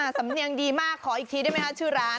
สำเนียงดีมากขออีกทีได้ไหมคะชื่อร้าน